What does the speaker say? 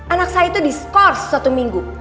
anak saya itu diskors satu minggu